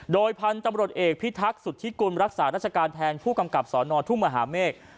โดยพันธุ์ตำรวจเอกพิทักษุทธิกุลรักษาราชการแทนผู้กำกับสนทุ่งมหาเมฆ